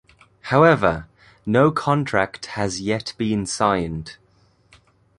However, no contract has yet been signed.